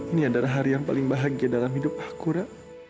ini adalah hari yang paling bahagia dalam hidup akura